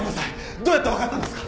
どうやって分かったんですか？